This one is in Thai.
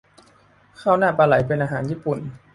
ข้าวหน้าปลาไหลเป็นอาหารญี่ปุ่น